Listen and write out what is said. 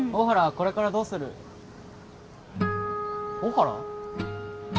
これからどうする大原？